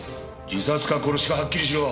自殺か殺しかはっきりしろ。